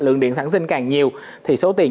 lượng điện sản sinh càng nhiều thì số tiền